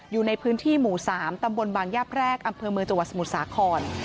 อยู่ในพื้นที่หมู่๓ตำบลบางย่าแพรกอำเภอเมืองจังหวัดสมุทรสาคร